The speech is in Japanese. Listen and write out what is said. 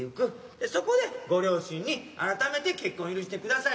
でそこでご両親に改めて「結婚許してください」